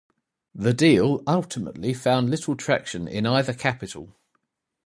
The deal ultimately found little traction in either capital.